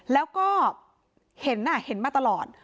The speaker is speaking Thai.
แล้วก็เห็นเห็นมาตลอด